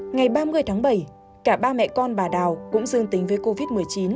ngày ba mươi tháng bảy cả ba mẹ con bà đào cũng dương tính với covid một mươi chín